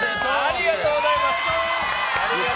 ありがとうございます！